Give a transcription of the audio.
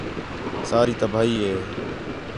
ساری تباہی ہِے